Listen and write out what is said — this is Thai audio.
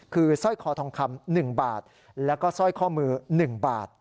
คือสร้อยคอทองคำ๑บาทแล้วก็สร้อยข้อมือ๑บาท